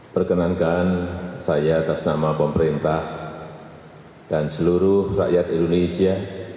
perkenankan saya atas nama pemerintah dan seluruh rakyat indonesia